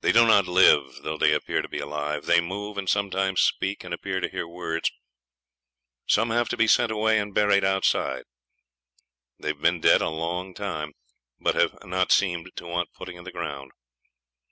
They do not live, though they appear to be alive; they move, and sometimes speak, and appear to hear words. Some have to be sent away and buried outside. They have been dead a long time, but have not seemed to want putting in the ground.